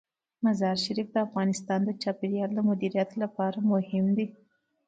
مزارشریف د افغانستان د چاپیریال د مدیریت لپاره مهم دي.